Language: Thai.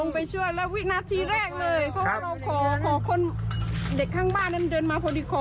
ไปช่วยแล้ววินาทีแรกเลยเพราะว่าเราขอคนเด็กข้างบ้านนั้นเดินมาพอดีขอ